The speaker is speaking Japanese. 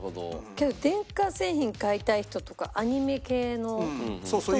けど電化製品買いたい人とかアニメ系の人は。